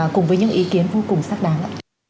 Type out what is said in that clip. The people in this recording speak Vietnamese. cùng với những ý kiến vô cùng xác đáng